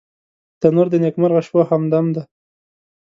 تنور د نیکمرغه شپو همدم دی